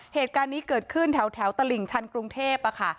เหตุการณ์นี้เกิดขึ้นแถวตลิ่งชันกรุงเทพค่ะ